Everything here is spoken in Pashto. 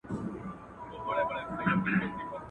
o چا په ورا کي نه پرېښاوه، ده ول د مخ اوښ زما دئ.